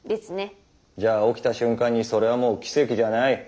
じゃあ起きた瞬間にそれはもう奇跡じゃない。